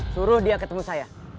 suruh dia ketemu saya